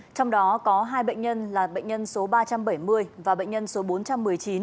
trong đó có hai bệnh nhân là bệnh nhân số ba trăm bảy mươi và bệnh nhân số bốn trăm một mươi chín